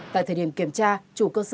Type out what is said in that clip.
tại thời điểm kiểm tra chủ cơ sở không sử dụng